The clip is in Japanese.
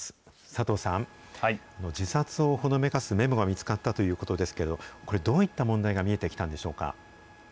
佐藤さん、自殺をほのめかすメモが見つかったということですけれども、これ、どういった問題が見えてきたんでしょうか。